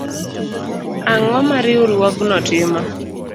Ang'o ma Riwruogno timo